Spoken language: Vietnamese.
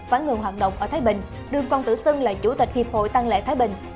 phải ngừng hoạt động ở thái bình đừng còn tự xưng là chủ tịch hiệp hội tăng lễ thái bình